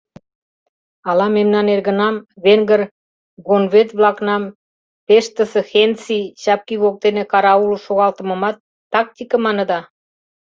— Ала мемнан эргынам, венгр гонвед-влакнам Пештысе Хенци чапкӱ воктене караулыш шогалтымымат тактике маныда?